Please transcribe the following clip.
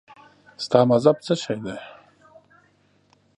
ستا مذهب څه شی دی؟